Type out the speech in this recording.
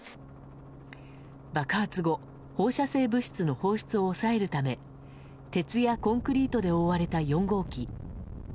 爆発後、放射性物質の放出を抑えるため鉄やコンクリートで覆われた４号機。